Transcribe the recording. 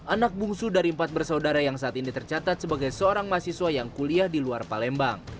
anak bungsu dari empat bersaudara yang saat ini tercatat sebagai seorang mahasiswa yang kuliah di luar palembang